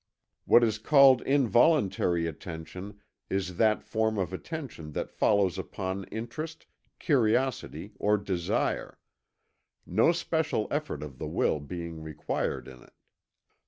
What is called involuntary attention is that form of attention that follows upon interest, curiosity, or desire no special effort of the will being required in it.